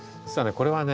これはね